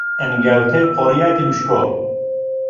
ئەنگاوتەی قۆریاتی مشکۆ،